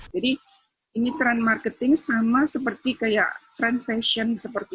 jadi ini tren marketing sama seperti tren fashion